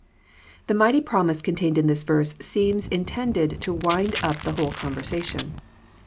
'] The mighty promise contained in this verse seems intended to wind up the whole conversation.